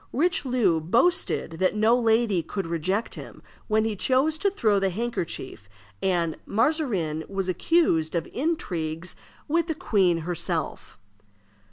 Richelieu boasted that no lady could reject him when he chose to throw the handkerchief, and Mazarin was accused of intrigues with the queen herself.